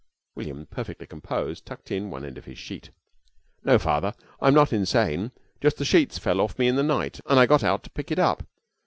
William, perfectly composed, tucked in one end of his sheet. "No Father, I'm not insane. My sheet just fell off me in the night and I got out to pick it up.